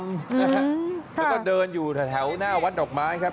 แล้วก็เดินอยู่แถวหน้าวัดดอกไม้ครับ